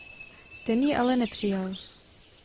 Ten ji ale nepřijal.